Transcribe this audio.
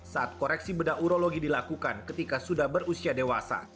saat koreksi bedah urologi dilakukan ketika sudah berusia dewasa